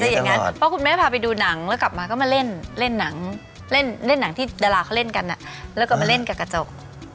อย่างนั้นเพราะคุณแม่พาไปดูหนังแล้วกลับมาก็มาเล่นหนังเล่นหนังที่ดาราเขาเล่นกันแล้วก็มาเล่นกับกระจก